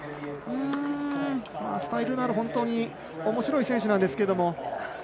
スタイルのあるおもしろい選手なんですけれども。